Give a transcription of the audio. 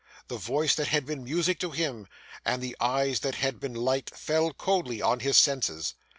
The voice that had been music to him, and the eyes that had been light, fell coldly on his senses.